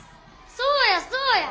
そうやそうや。